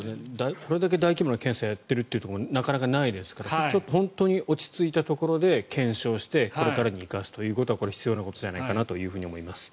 あとこれだけ大規模な検査をやっているところもなかなかないですからちょっと本当に落ち着いたところで検証してこれからに生かすということは必要なことじゃないかなと思います。